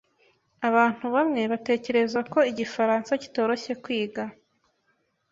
Abantu bamwe batekereza ko igifaransa kitoroshye kwiga.